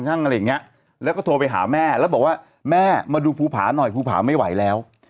อะไรอย่างเงี้ยแล้วก็โทรไปหาแม่แล้วบอกว่าแม่มาดูภูผาหน่อยภูผาไม่ไหวแล้ว